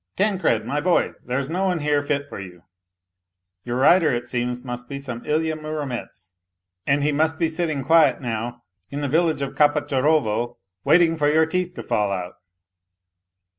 Tancred, my boy, there's no one here fit for you ! Your rider, it seems, must be some Ilya Muromets, and he must be sitting quiet now in the village of Kapat charovo, waiting for your teeth to fall out.